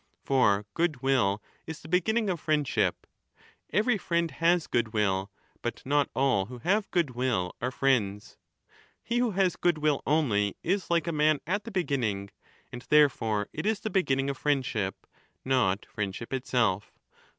For goodwill is the beginning of friendship ; every Triend has goodwill, but not all who have goodwill are friends. He who has goodwill only is like a man at the beginning, and therefore it is the b^in ning of friendship, not friendship itself.